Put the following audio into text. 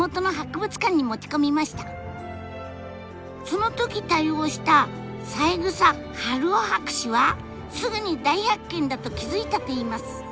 その時対応した三枝春生博士はすぐに大発見だと気付いたといいます。